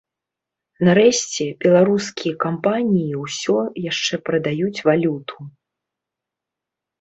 Нарэшце, беларускі кампаніі ўсё яшчэ прадаюць валюту.